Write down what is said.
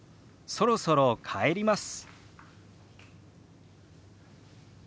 「そろそろ帰ります」。